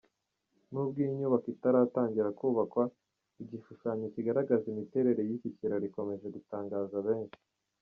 Nubwo iyi nyubako itaratangira kubakwa, igishushanyo kigaragaza imitere y’iki kiraro ikomeje gutangaza benshi.